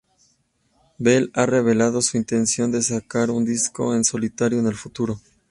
Bell ha revelado su intención de sacar un disco en solitario en el futuro.